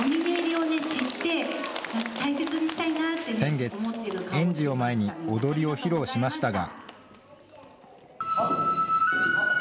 先月、園児を前に踊りを披露しましたが。